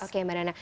oke mbak nenang